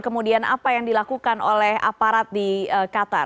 kemudian apa yang dilakukan oleh aparat di qatar